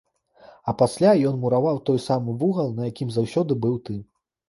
А пасля ён мураваў той самы вугал, на якім заўсёды быў ты.